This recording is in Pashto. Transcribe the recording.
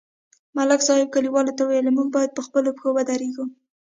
ملک صاحب کلیوالو ته وویل: موږ باید په خپلو پښو ودرېږو